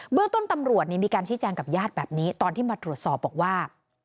เรื่องต้นตำรวจมีการชี้แจงกับญาติแบบนี้ตอนที่มาตรวจสอบบอกว่า